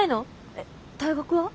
えっ大学は？